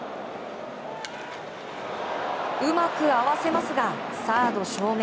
うまく合わせますがサード正面。